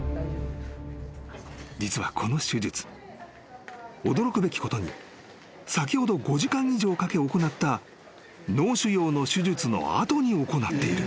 ［実はこの手術驚くべきことに先ほど５時間以上かけ行った脳腫瘍の手術の後に行っている］